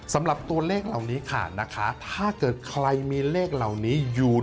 สำหรับตัวเลขเหล่านี้ค่ะนะคะถ้าเกิดใครมีเลขเหล่านี้อยู่